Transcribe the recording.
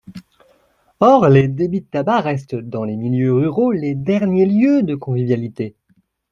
Or, les débits de tabac restent, dans les milieux ruraux, les derniers lieux de convivialité.